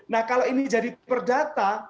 nah kalau ini jadi perdata